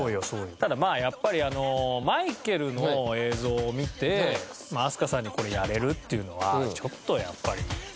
ただまあやっぱりあのマイケルの映像を見て飛鳥さんに「これやれる？」っていうのはちょっとやっぱり。